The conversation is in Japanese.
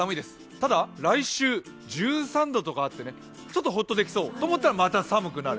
ただ、来週１３度とかあるんでちょっとホッとできそう。と思ったら、また寒くなる。